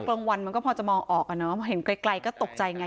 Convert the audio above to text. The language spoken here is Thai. กลางวันมันก็พอจะมองออกอ่ะเนอะพอเห็นไกลก็ตกใจไง